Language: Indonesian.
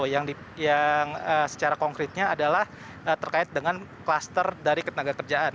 yang secara konkretnya adalah terkait dengan kluster dari ketenaga kerjaan